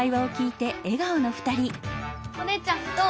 お姉ちゃんどう？